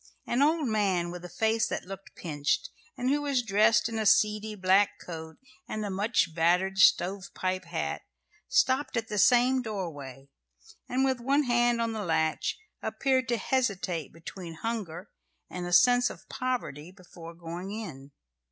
An old man, with a face that looked pinched, and who was dressed in a seedy black coat and a much battered stovepipe hat, stopped at the same doorway, and, with one hand on the latch, appeared to hesitate between hunger and a sense of poverty before going in.